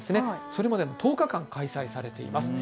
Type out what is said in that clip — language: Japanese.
それまで１０日間、開催されます。